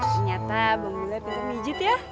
ternyata bang bule pintar pijet ya